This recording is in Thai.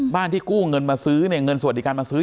ที่กู้เงินมาซื้อเนี่ยเงินสวัสดิการมาซื้อ